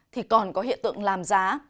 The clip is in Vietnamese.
thì còn có hiện tượng làm giá